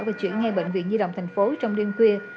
và chuyển ngay bệnh viện nhi động tp hcm trong đêm khuya